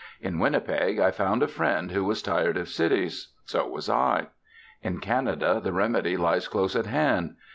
In Winnipeg I found a friend, who was tired of cities. So was I. In Canada the remedy lies close at hand.